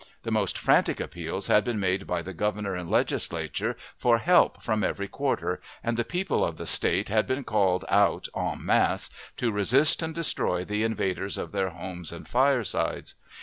The most frantic appeals had been made by the Governor and Legislature for help from every quarter, and the people of the State had been called out en masse to resist and destroy the invaders of their homes and firesides.